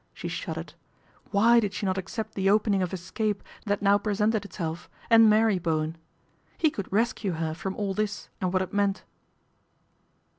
She shuddered. Why did not she accept the opening of escape that now presented itself and marry Bowen? He could rescue her from all this and what it meant.